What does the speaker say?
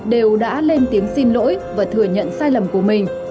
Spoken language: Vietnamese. đều đã lên tiếng xin lỗi và thừa nhận sai lầm của mình